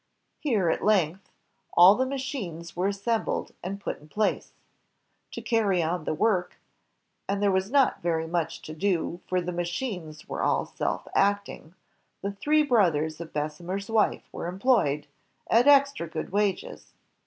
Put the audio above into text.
Here, at length, all the machines were assembled and put in place. To carry on the work, — and there was not very much to do, for the machines were all self acting, — the three brothers of Bessemer's wife were employed, at extra good wages.